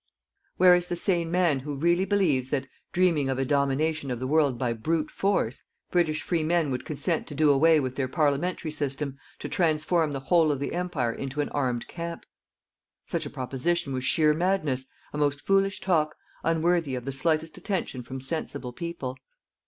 Where is the sane man who really believes that, dreaming of a domination of the world by brute force, British free men would consent to do away with their Parliamentary system to transform the whole of the Empire into an armed camp? Such a proposition was sheer madness, a most foolish talk, unworthy of the slightest attention from sensible people.